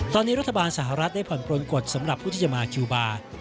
ตอนนี้รัฐบาลสหรัฐได้ผ่อนปลนกฎสำหรับผู้ที่จะมาคิวบาร์